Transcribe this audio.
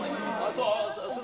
そう？